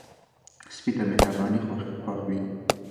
سپي ته مهرباني خوښ وي.